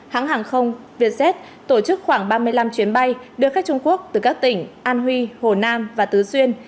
hãng hàng không vietjet tổ chức khoảng ba mươi năm chuyến bay đưa khách trung quốc từ các tỉnh an huy hồ nam và tứ xuyên